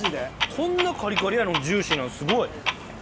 こんなカリカリやのにジューシーなのすごい。